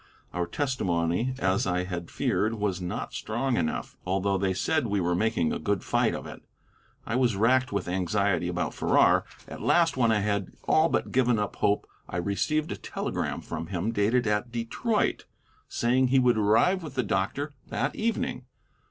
Our testimony, as I had feared, was not strong enough, although they said we were making a good fight of it. I was racked with anxiety about Farrar; at last, when I had all but given up hope, I received a telegram from him dated at Detroit, saying he would arrive with the doctor that evening.